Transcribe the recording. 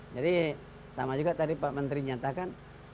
jadi sama juga tadi pak menteri nyatakan